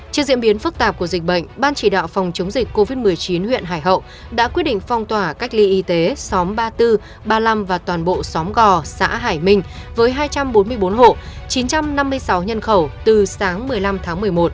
trước diễn biến phức tạp của dịch bệnh ban chỉ đạo phòng chống dịch covid một mươi chín huyện hải hậu đã quyết định phong tỏa cách ly y tế xóm ba mươi bốn ba mươi năm và toàn bộ xóm gò xã hải minh với hai trăm bốn mươi bốn hộ chín trăm năm mươi sáu nhân khẩu từ sáng một mươi năm tháng một mươi một